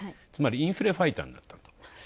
つまり、インフレファイターになった。